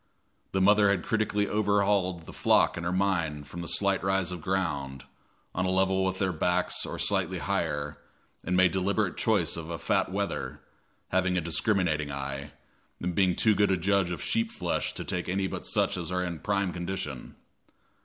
The mother had critically overhauled the flock in her mind from a slight rise of ground, on a level with their backs or slightly higher, and made deliberate choice of a fat wether, having a discriminating eye, and being too good a judge of sheep flesh to take any but such as are in prime condition.